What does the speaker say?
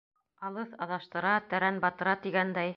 Алыҫ аҙаштыра, тәрән батыра, тигәндәй...